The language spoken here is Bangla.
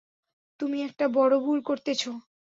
তুমি একটি বড় ভুল করতেছ।